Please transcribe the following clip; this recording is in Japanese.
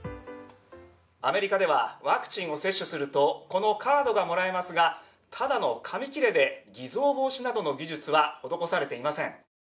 アメリカではワクチンを接種するとこのカードがもらえますがただの紙切れで偽造防止などの技術は施されていません。